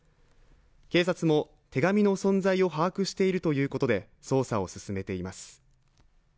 警察も手紙の存在を把握しているということで捜査を進めています。